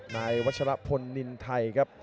นายวัชรพลนินไทยครับ